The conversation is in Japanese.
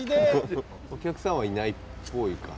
お客さんはいないっぽいかな。